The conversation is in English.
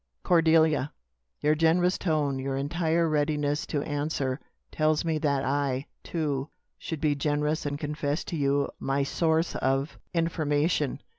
"Cordelia! your generous tone, your entire readiness to answer, tells me that I, too, should be generous and confess to you my source of information.